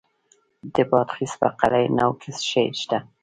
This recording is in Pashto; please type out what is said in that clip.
د بادغیس په قلعه نو کې څه شی شته؟